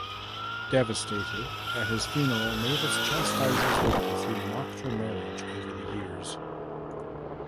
Devastated, at his funeral Mavis chastises those who mocked her marriage over the years.